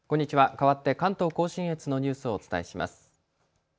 かわって関東甲信越のニュースをお伝えします。